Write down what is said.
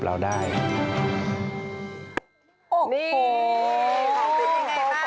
เลือกมันมาใช้ให้มันเป็นประโยชน์กับเราได้